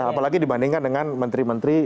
apalagi dibandingkan dengan menteri menteri